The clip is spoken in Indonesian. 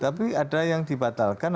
tapi ada yang dibatalkan